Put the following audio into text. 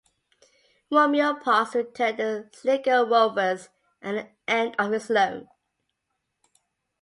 Romeo Parkes returned to Sligo Rovers at the end of his loan.